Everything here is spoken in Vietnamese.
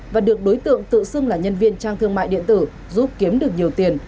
và được đối tượng tự xưng là nhân viên trang thương mại điện tử giúp kiếm được nhiều tiền